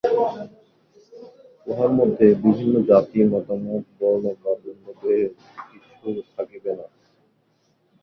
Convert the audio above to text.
উহার মধ্যে বিভিন্ন জাতি, মতামত, বর্ণ বা লিঙ্গভেদ কিছু থাকিবে না।